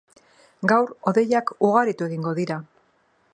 Gaur hodeiak ugaritu egingo dira.